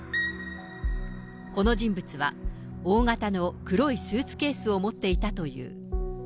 この人物は、大型の黒いスーツケースを持っていたという。